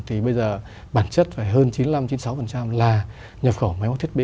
thì bây giờ bản chất phải hơn chín mươi năm chín mươi sáu là nhập khẩu máy móc thiết bị